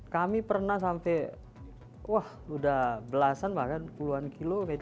kami pernah sampai wah sudah belasan bahkan puluhan kilo